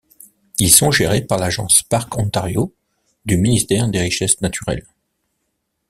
Ils sont gérés par l'agence Parcs Ontario, du ministère des Richesses naturelles.